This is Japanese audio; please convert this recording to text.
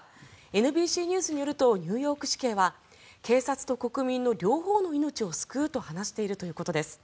ＮＢＣニュースによるとニューヨーク市警は警察と国民の両方の命を救うと話しているということです。